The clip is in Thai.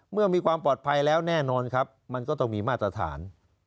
เมื่อมีความปลอดภัยแล้วแน่นอนครับมันก็ต้องมีมาตรฐาน